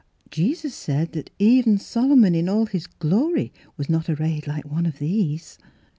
" Jesus said that ' even Solomon, in all his glory, was not arrayed like one of these.'